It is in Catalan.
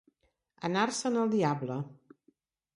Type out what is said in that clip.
Anar-se'n al diable.